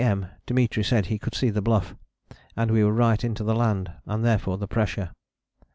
M. Dimitri said he could see the Bluff, and we were right into the land, and therefore the pressure.